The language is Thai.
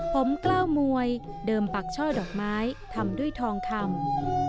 ผมกล้าวมวยเดิมปักช่อดอกไม้ทำด้วยทองคำ